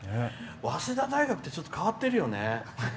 早稲田大学ってちょっと変わってるよね。